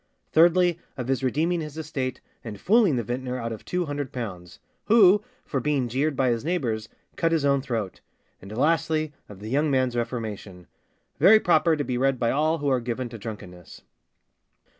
Thirdly, of his redeeming his estate, and fooling the vintner out of two hundred pounds; who, for being jeered by his neighbours, cut his own throat. And lastly, of the young man's reformation. Very proper to be read by all who are given to drunkenness.